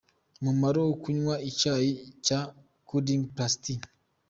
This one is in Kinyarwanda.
Umumaro wo kunywa icyayi cya Kudding Plus Tea.